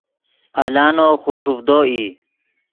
الانو خوݰوڤدو ای